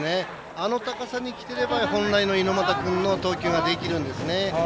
あの高さにきてれば本来の猪俣君の投球ができるんですね。